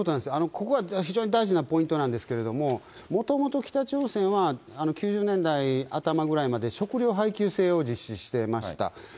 ここは非常に大事なポイントなんですけれども、もともと北朝鮮は９０年代頭ぐらいまで、食糧配給制を実施してました。